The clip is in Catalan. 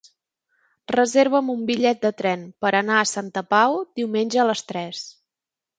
Reserva'm un bitllet de tren per anar a Santa Pau diumenge a les tres.